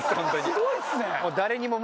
すごいですね。